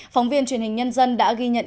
phóng viên truyền hình nhân dân đã ghi nhận